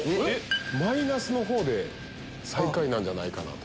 マイナスの方で最下位なんじゃないかなと。